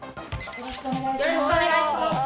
よろしくお願いします